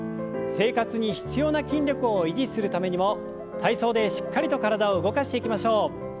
生活に必要な筋力を維持するためにも体操でしっかりと体を動かしていきましょう。